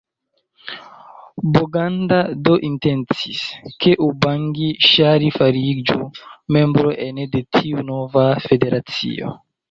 Boganda do intencis, ke Ubangi-Ŝari fariĝu membro ene de tiu nova federacio.